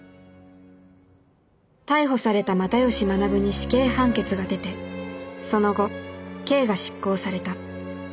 逮捕された又吉学に死刑判決が出てその後刑が執行された。